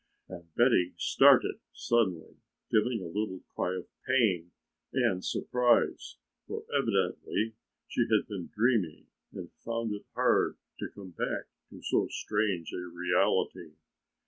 And Betty started suddenly, giving a little cry of pain and surprise, for evidently she had been dreaming and found it hard to come back to so strange a reality.